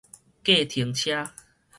計程車